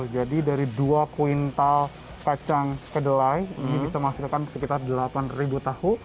sepuluh jadi dari dua kuintal kacang kedelai ini bisa memasakkan sekitar delapan tahu